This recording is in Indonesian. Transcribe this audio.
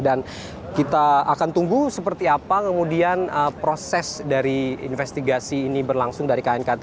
dan kita akan tunggu seperti apa kemudian proses dari investigasi ini berlangsung dari knkt